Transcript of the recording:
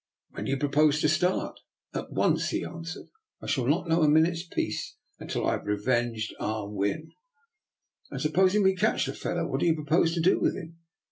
" When do you propose to start? "" At once," he answered. " I shall not know a minute's peace until I have revenged Ah Win." " And supposing we catch the fellow, what do you propose to do with him?